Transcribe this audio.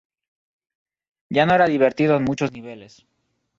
Y ya no era divertido en muchos niveles".